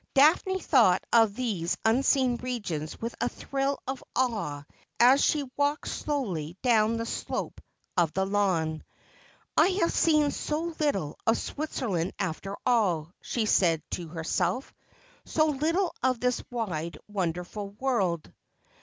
Daphne thought of those unseen regions with a thrill of awe as she walked slowly down the slope of the lawn. ' I have seen so little of Switzerland after all,' she said to her self, ' so little of this wide wonderful world.'